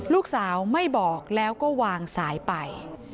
ลูกสาวไม่บอกแล้วก็วางสายไป